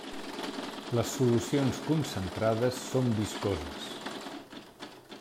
Les solucions concentrades són viscoses.